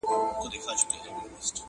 په يوه گړي كي جوړه هنگامه سوه!!